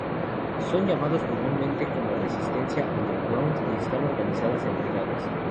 Son llamados comúnmente como "Resistencia Underground" y están organizadas en brigadas.